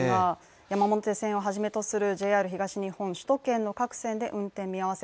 山手線をはじめとするＪＲ東日本、首都圏の各線で運転を見合わせ